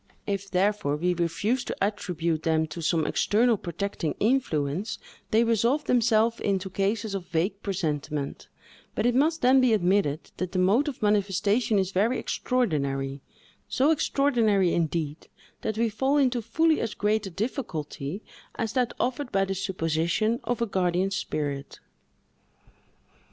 If, therefore, we refuse to attribute them to some external protecting influence, they resolve themselves into cases of vague presentiment; but it must then be admitted that the mode of the manifestation is very extraordinary; so extraordinary, indeed, that we fall into fully as great a difficulty as that offered by the supposition of a guardian spirit.